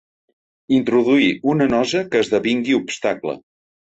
Introduir una nosa que esdevingui obstacle.